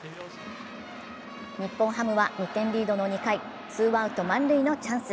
日本ハムは２点リードの２回ツーアウト満塁のチャンス。